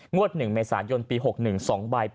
งวด๑มีสาธารณ์ยนต์ปี๖๑ซองใบ